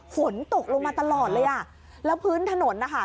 ฝนตกลงมาตลอดแล้วพื้นถนนนะคะ